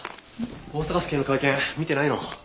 大阪府警の会見見てないの？